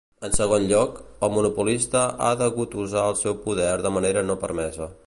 En segon lloc, el monopolista ha degut usar el seu poder de manera no permesa.